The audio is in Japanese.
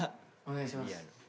お願いします。